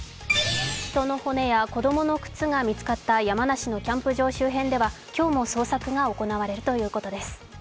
人の骨や子供の靴が見つかった山梨のキャンプ場周辺では今日も捜索が行われるということです。